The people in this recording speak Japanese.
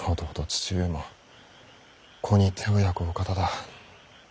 父上も子に手を焼くお方だ。